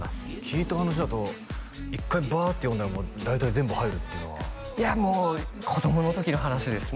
聞いた話だと１回バーッて読んだらもう大体全部入るっていうのはいやもう子供の時の話です